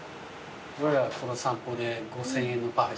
俺らこの『さんぽ』で５，０００円のパフェ。